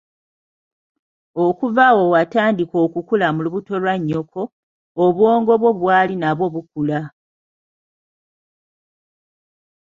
Okuva awo watandika okukula mu lubuto lwa nnyoko, obwongo bwo bwali nabwo bukula.